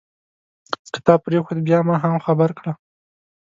که تا پرېښود بیا ما هم خبر کړه.